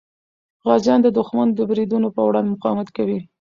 غازیان د دښمن د بریدونو په وړاندې مقاومت کوي.